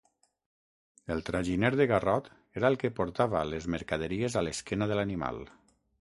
El traginer de garrot era el que portava les mercaderies a l'esquena de l'animal.